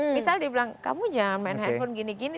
misal dia bilang kamu jangan main handphone gini gini